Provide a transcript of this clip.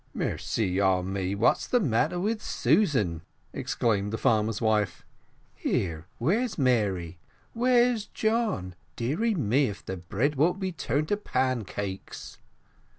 "Mercy on me, what is the matter with Susan?" exclaimed the farmer's wife. "Here where's Mary where's John? Deary me, if the bread won't all be turned to pancakes."